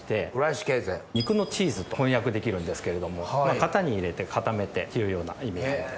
「肉のチーズ」と翻訳できるんですけれども「型に入れて固めて」というような意味があると。